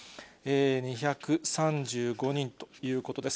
２３５人ということです。